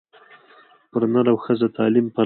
پر نر او ښځه تعلیم فرض دی